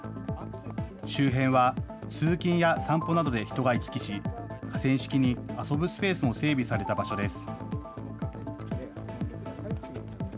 周辺は通勤や散歩などで人が行き来し、河川敷に遊ぶスペースも整備された場所です。